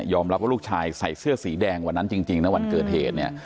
รับว่าลูกชายใส่เสื้อสีแดงวันนั้นจริงนะวันเกิดเหตุเนี่ย